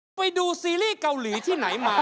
กับพอรู้ดวงชะตาของเขาแล้วนะครับ